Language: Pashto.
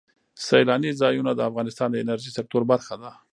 سیلاني ځایونه د افغانستان د انرژۍ سکتور برخه ده.